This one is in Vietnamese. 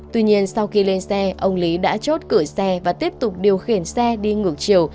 tuy nhiên sau khi lên xe ông lý đã chốt cửa xe và tiếp tục điều khiển xe đi ngược chiều